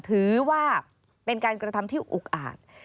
ถือว่าเป็นการกระทำที่อุกอาจ